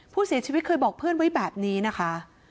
ผู้เสียชีวิตเคยบอกเพื่อนไว้แบบนี้นะคะ